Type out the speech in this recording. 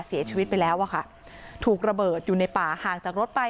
เสียชีวิตไปแล้วอะค่ะถูกระเบิดอยู่ในป่าห่างจากรถไป